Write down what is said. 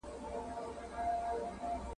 له یخنۍ څخه ډبري چاودېدلې ,